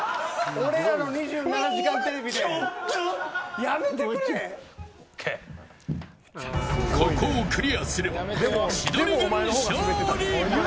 俺らの２７時間テレビでここをクリアすれば千鳥軍勝利。